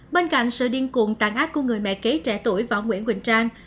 bên cạnh sự điên cuồng tàn ác của người mẹ kế trẻ tuổi và ông nguyễn quỳnh trang